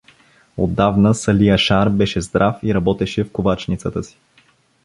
Отдавна Сали Яшар беше здрав и работеше в ковачницата си.